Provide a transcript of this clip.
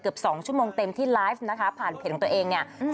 เกือบ๒ชั่วโมงเต็มที่ไลฟ์นะคะผ่านเพลงของตัวเอง